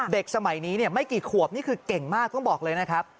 เด็กสมัยนี้เนี่ยไม่กี่ขวบนี่คือเก่งมากความบอกเลยนะครับ